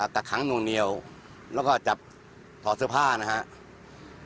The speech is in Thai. ตักขังลงเนียวเราก็จับถอดเสื้อผ้านะครับ